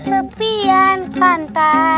di tepian pantai